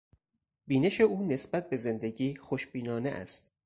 بینش او نسبت به زندگی خوشبینانه است.